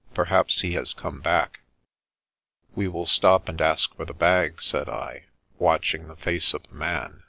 Perhaps he has come back." " We will stop and ask for the bag," said I, watch ing the face of the man.